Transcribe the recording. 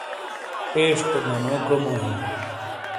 ایش تو منو کرومو ہِیں۔